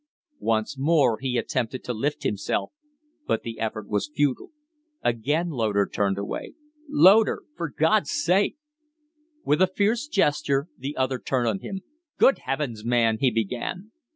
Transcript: Once more he attempted to lift himself, but the effort was futile. Again Loder turned away. "Loder for God's sake " With a fierce gesture the other turned on him. "Good heavens! man " he began.